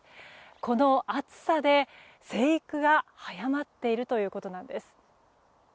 この暑さで生育が早まっているということなんです。